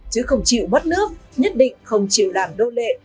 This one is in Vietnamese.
chứ không chịu mất nước nhất định không chịu làm đô lệ